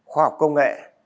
khoa học công nghệ